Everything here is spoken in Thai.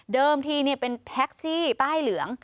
เดิมที่เป็นแพ็กซี่ป้ายเหลือง